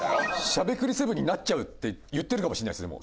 『しゃべくり００７』になっちゃうって言ってるかもしれないですね